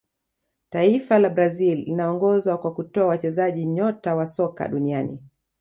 taifa la brazil linaongoza kwa kutoa wachezaji nyota wa soka duniani